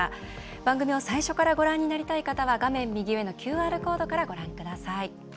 番組を最初からご覧になりたい方は画面右上のＱＲコードからご覧ください。